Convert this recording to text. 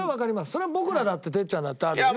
それは僕らだって哲ちゃんだってあるよね。